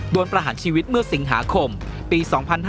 ประหารชีวิตเมื่อสิงหาคมปี๒๕๕๙